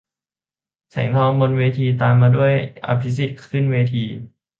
แสงทอง บนเวที - ตามมาด้วย อภิสิทธิ์ ขึ้นเวที